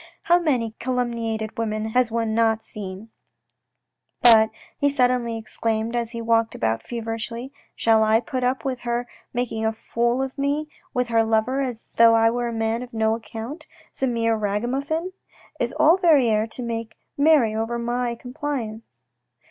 " How many calumniated women has one not seen ?"" But," he suddenly exclaimed, as he walked about feverishly, " shall I put up with her making a fool of me with her lover as though I were a man of no account, some mere ragamuffin ? Is all Verrieres to make merry over my complaisance